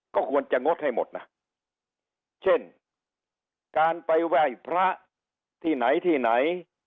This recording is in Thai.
ก็ควรจะงดให้หมดนะเช่นการไปไหว้พระที่ไหนที่ไหน